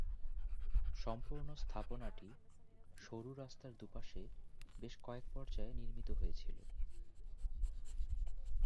সম্পূর্ণ স্থাপনাটি সরু রাস্তার দুপাশে বেশ কয়েক পর্যায়ে নির্মিত হয়েছিল।